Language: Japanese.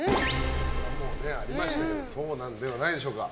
これは、もうねありましたけどそうなんではないでしょうか。